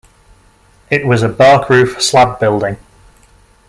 It was a bark-roof slab building.